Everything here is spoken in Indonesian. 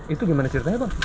itu gimana ceritanya bang